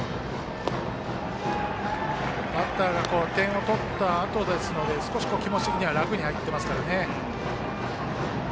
バッターが点を取ったあとですので少し気持ち的には楽に入っていますからね。